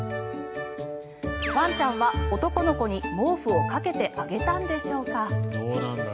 ワンちゃんは男の子に毛布をかけてあげたんでしょうか。